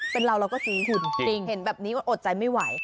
เป็นเราเราก็ซื้อคุณจริงเห็นแบบนี้ก็อดใจไม่ไหว